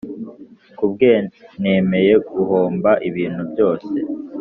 Ku bwe nemeye guhomba ibintu byose